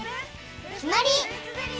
きまり！